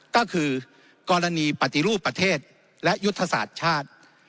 ก็คือกรณีปฏิรูปประเทศและยุทธศาสตร์ชาติ